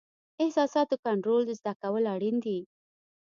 احساساتو کنټرول زده کول اړین دي.